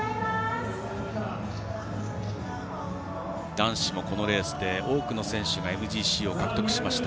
男子も、このレースで多くの選手がＭＧＣを獲得しました。